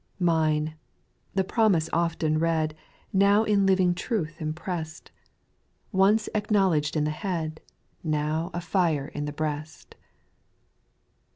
2. Mine, the promise often read. Now in Jiving truth impressed, SPIRITUAL SONGS. 301 Once acknowledged in the head, Now a fire in the breast.